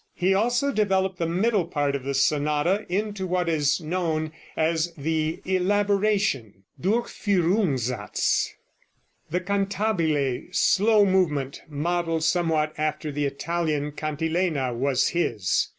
He also developed the middle part of the sonata into what is known as the "elaboration," "Durchführungssatz". The cantabile slow movement, modeled somewhat after the Italian cantilena, was his.